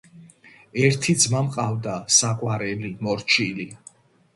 ერთი ძმა მყავდა საყვარელი, მორჩილი